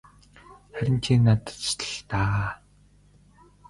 Харин чи надад тусал л даа.